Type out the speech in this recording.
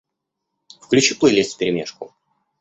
Включи плейлист вперемешку